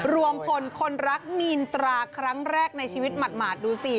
รวมพลคนรักมีนตราครั้งแรกในชีวิตหมาดดูสิ